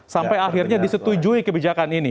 sampai akhirnya disetujui kebijakan ini